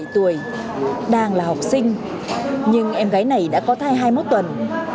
một mươi bảy tuổi đang là học sinh nhưng em gái này đã có thai hai mươi một tuần